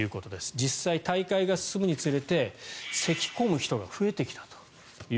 実際、大会が進むにつれてせき込む人が増えてきたと。